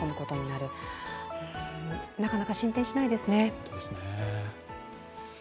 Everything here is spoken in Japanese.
なかなか進展しないですね。